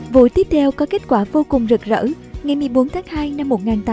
vụ tiếp theo có kết quả vô cùng rực rỡ ngày một mươi bốn tháng hai năm một nghìn tám trăm năm mươi